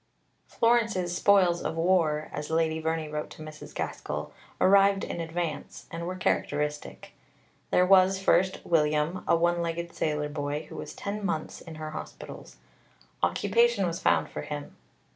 Florence's spoils of war, as Lady Verney wrote to Mrs. Gaskell, arrived in advance, and were characteristic. There was, first, William, a one legged sailor boy, who was ten months in her hospitals. Occupation was found for him.